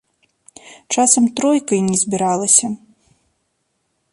Часам тройка і не збіралася.